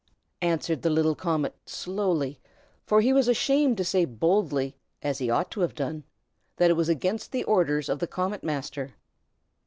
answered the little comet, slowly, for he was ashamed to say boldly, as he ought to have done, that it was against the orders of the Comet Master.